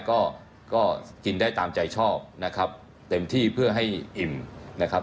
ก็ก็กินได้ตามใจชอบนะครับเต็มที่เพื่อให้อิ่มนะครับ